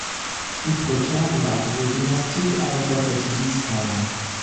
Die prekäre Lage der Dynastie aber besserte dies kaum.